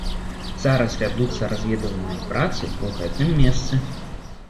Зараз вядуцца разведвальныя працы ў гэтым месцы.